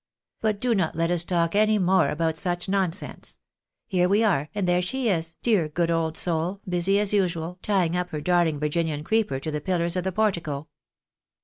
But do not let us talk any more about such nonsense. Here we are, and there she is, dear good old soul, busy as usual, tying up her darling Virginian creeper to the pillars of the portico."